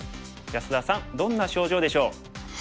安田さんどんな症状でしょう？